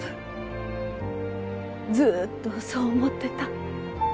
ずーっとそう思ってた。